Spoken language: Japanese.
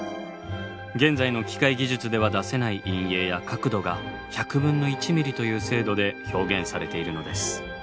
現在の機械技術では出せない陰影や角度が１００分の１ｍｍという精度で表現されているのです。